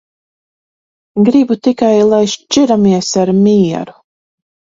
Gribu tikai, lai šķiramies ar mieru.